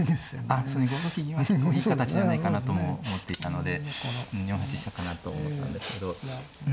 あっ５六銀は結構いい形じゃないかなとも思っていたので４八飛車かなと思ったんですけど。